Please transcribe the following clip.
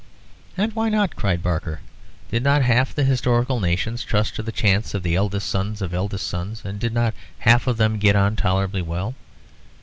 "And why not?" cried Barker. "Did not half the historical nations trust to the chance of the eldest sons of eldest sons, and did not half of them get on tolerably well?